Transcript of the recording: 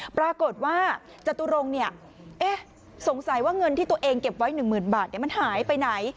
ปรากฏว่าจตุรงค์สงสัยว่าเงินที่ตัวเองเก็บไว้๑๐๐๐บาทมันหายไปไหน